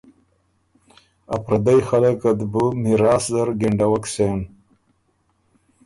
ا پردئ خلق ات بُو میراث زر ګېنډوک سېن